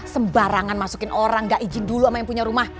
sembarangan masukin orang gak izin dulu sama yang punya rumah